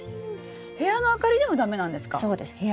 部屋の明かりでも駄目なんですか？